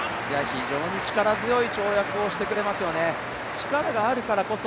非常に力強い跳躍をしてくれますよね、力があるからこそ